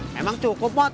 memang cukup mak